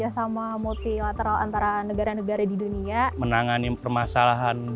saya anissa ulansari ilmu sejarah